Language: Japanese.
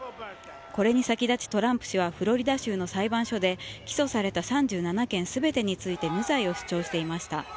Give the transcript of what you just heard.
これに先立ち、トランプ氏はフロリダ州の裁判所で起訴された３７件全てについて無罪を主張していました。